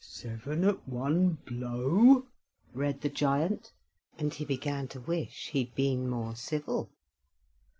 "Seven at one blow," read the giant, and he began to wish he'd been more civil.